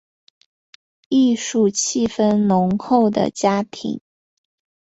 艺术气氛浓厚的家庭